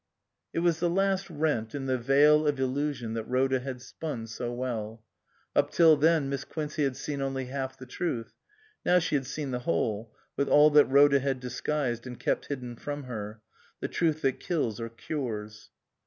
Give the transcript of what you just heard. It was the last rent in the veil of illusion that Rhoda had spun so well. Up till then Miss Quincey had seen only half the truth. Now she had seen the whole, with all that Rhoda had disguised and kept hidden from her; the truth that kills or cures.